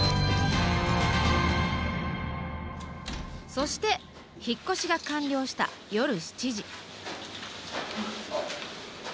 そして引っ越しが完了した夜７時。